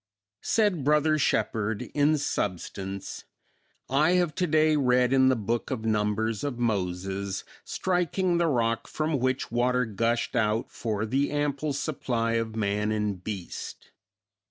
Said Brother Shepard in substance: "I have today read in the book of Numbers of Moses striking the rock from which water gushed out for the ample supply of man and beast.